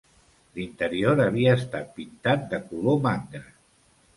L'interior havia estat pintat de color mangra.